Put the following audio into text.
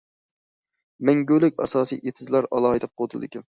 مەڭگۈلۈك ئاساسىي ئېتىزلار ئالاھىدە قوغدىلىدىكەن.